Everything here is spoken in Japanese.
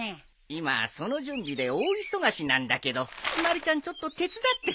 今その準備で大忙しなんだけどまるちゃんちょっと手伝ってくれない？